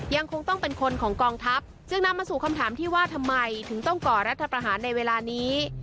ยังคงต้องเป็นคนของกองทัพจึงนำมาสู่คำถามที่ว่าทำไมถึงต้องก่อรัฐประหารในเวลานี้